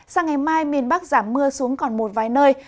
sang ngày mai miền bắc giảm mưa xuống còn một vài nơi